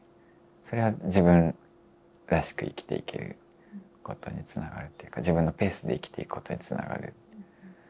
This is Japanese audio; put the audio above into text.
それは自分らしく生きていけることにつながるというか自分のペースで生きていくことにつながる。